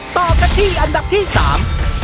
ต่อกันที่อันดับที่สาม